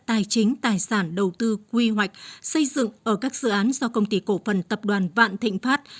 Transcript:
tài chính tài sản đầu tư quy hoạch xây dựng ở các dự án do công ty cổ phần tập đoàn vạn thịnh pháp